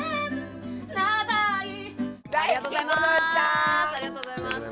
ありがとうございます。